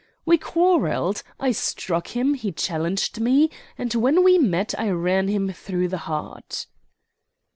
"We quarrelled, I struck him, he challenged me; and when we met I ran him through the heart."